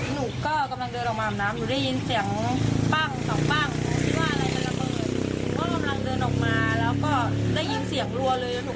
หนูก็ต้องเติบหลอกมาอาบน้ำดูได้ยินเสียงปัง๒ปัง